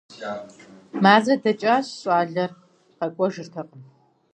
Мазэ дэкӀащ, щӏалэр къэкӀуэжыртэкъым.